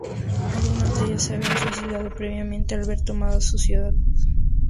Algunas de ellas se habían suicidado previamente al ver tomada su ciudad.